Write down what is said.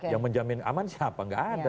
yang menjamin aman siapa nggak ada